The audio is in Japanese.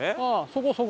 そこそこ。